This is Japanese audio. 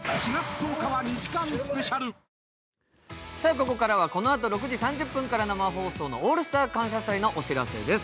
ここからはこのあと６時３０分から生放送の「オールスター感謝祭」のお知らせです。